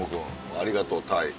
ありがとうタイ。